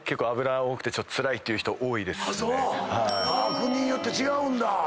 国によって違うんだ。